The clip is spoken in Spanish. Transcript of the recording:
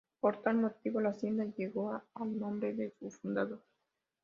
Por tal motivo la hacienda llevó el nombre de su fundador.